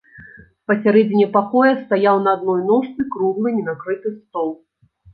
Пасярэдзіне пакоя стаяў на адной ножцы круглы ненакрыты стол.